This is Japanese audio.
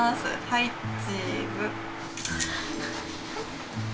はいチーズ。